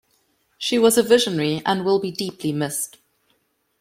She was a visionary and will be deeply missed.